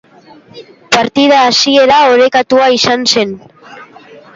Partida hasiera orekatua izan zen.